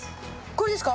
これですか？